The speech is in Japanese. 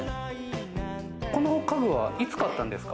この家具は、いつ買ったんですか？